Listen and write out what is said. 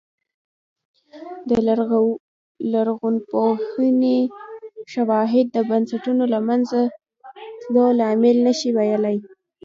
د لرغونپوهنې شواهد د بنسټونو له منځه تلو لامل نه شي ویلای